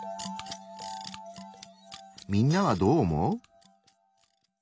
みんなはどう思う？